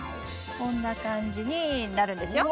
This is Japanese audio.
こんな感じになるんですよ。